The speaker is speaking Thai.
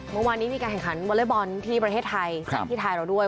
วันวานนี้มีแข่งขันวัลละบอลที่ประเทศไทยที่ไทยเราด้วย